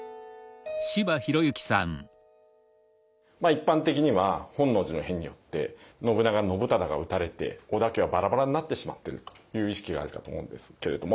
一般的には本能寺の変によって信長信忠が討たれて織田家はバラバラになってしまってるという意識があるかと思うんですけれども。